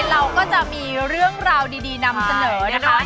เราก็จะมีเรื่องราวดีนำเสนอนะคะ